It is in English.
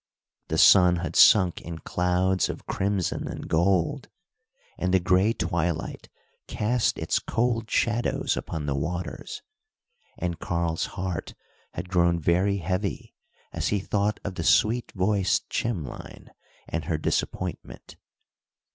The sun had sunk in clouds of crimson and gold, and the gray twilight cast its cold shadows upon the waters, and Karl's heart had grown very heavy as he thought of the sweet voiced Chimlein, and her disappointment.